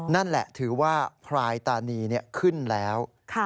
นั่นแหละถือว่าพรายตานีขึ้นแล้ว